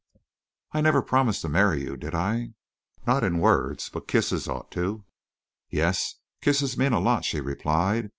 "I never promised to marry you, did I?" "Not in words. But kisses ought to—?" "Yes, kisses mean a lot," she replied.